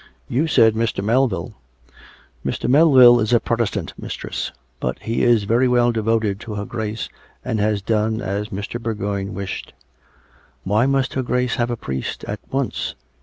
" You said Mr. Melville." " Mr. Melville is a Protestant, mistress ; but he is very well devoted to her Grace, and has done as Mr. Bourgoign wished." " Why must her Grace have a priest at once